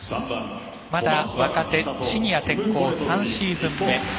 まだ若手シニア転向３シーズン目。